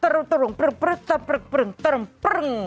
ตรึ่งปรึ่งปรึ่งปรึ่งปรึ่ง